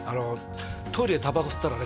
「トイレでタバコ吸ったらね」